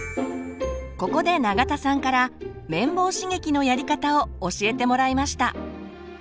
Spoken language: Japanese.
ここで永田さんから綿棒刺激のやり方を教えてもらいました。